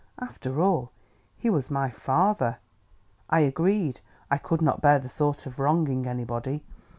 After all, he was my father; I agreed; I could not bear the thought of wronging anybody.